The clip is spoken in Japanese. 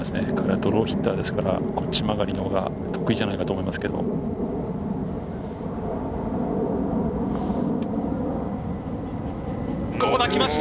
ドローヒッターですから、こっち曲がりのほうが得意じゃないかなと思いますけど。来ました。